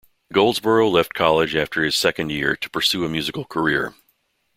Goldsboro left college after his second year to pursue a musical career.